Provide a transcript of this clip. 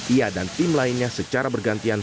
ia dan tim lainnya secara bergantian